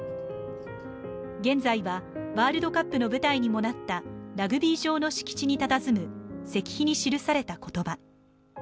現在はワールドカップの舞台にもなったラグビー場の敷地にたたずむ石碑に記された言葉。